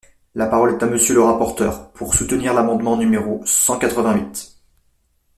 La parole est à Monsieur le rapporteur, pour soutenir l’amendement numéro cent quatre-vingt-huit.